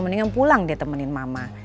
mendingan pulang dia temenin mama